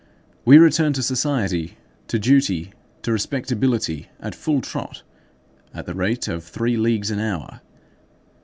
We return to society, to duty, to respectability, at full trot, at the rate of three leagues an hour.